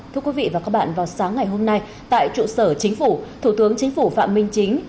thưa quý vị và các bạn vào sáng ngày hôm nay tại trụ sở chính phủ thủ tướng chính phủ phạm minh chính